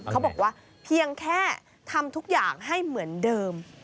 เขาบอกว่าเพียงแค่ทำทุกอย่างให้เหมือนเดิม